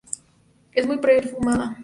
Es muy perfumada.